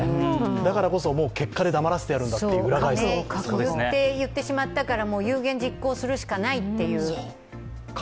だからこそ結果で黙らせてやるん言ってしまったから有言実行するしかないという。